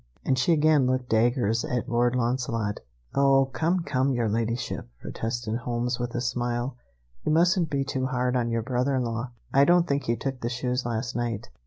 And she again looked daggers at Lord Launcelot. "Oh, come, come, Your Ladyship," protested Holmes with a smile, "you mustn't be too hard on your brother in law. I don't think he took the shoes last night.